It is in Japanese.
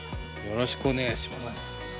よろしくお願いします。